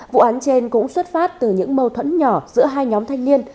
vụ án trên cũng xuất phát từ những mâu thuẫn nhỏ giữa hai nhóm thanh niên